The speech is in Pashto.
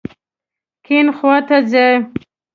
کیڼ خواته ځئ